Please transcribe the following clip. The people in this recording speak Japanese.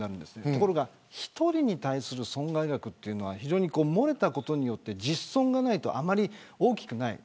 ところが１人に対する損害額は漏れたことによって実損がないとあまり大きくない。